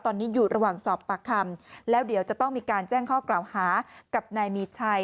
ตอนนี้อยู่ระหว่างสอบปากคำแล้วเดี๋ยวจะต้องมีการแจ้งข้อกล่าวหากับนายมีชัย